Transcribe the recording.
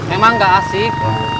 emang enggak asik